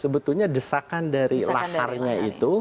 sebetulnya desakan dari lakarnya itu